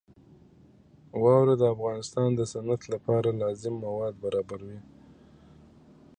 واوره د افغانستان د صنعت لپاره لازم مواد برابروي.